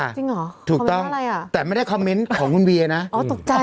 ใช่ค่ะถูกต้องแต่ไม่ได้คอมเมนซ์ของคุณเบล่านะอ๋อตุ๊กใจ